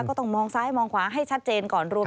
ก็ต้องมองซ้ายมองขวาให้ชัดเจนก่อนรวม